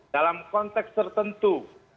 dalam konteks tertentu